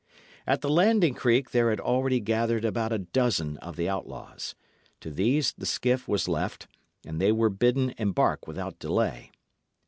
At the landing creek there had already gathered about a dozen of the outlaws. To these the skiff was left, and they were bidden embark without delay.